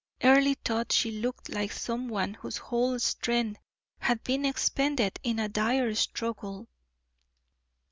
Earle thought she looked like some one whose whole strength had been expended in a dire struggle.